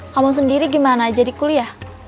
kamu sendiri gimana aja di kuliah